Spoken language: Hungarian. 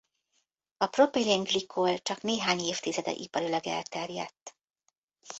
A propilén-glikol csak néhány évtizede iparilag elterjedt.